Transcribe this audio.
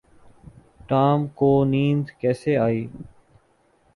Tom کو نیند کیسی ائی؟